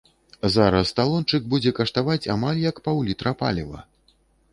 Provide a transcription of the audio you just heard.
Зараз талончык будзе каштаваць амаль як паўлітра паліва!